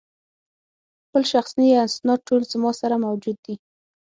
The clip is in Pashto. خپل شخصي اسناد ټول زما سره موجود دي.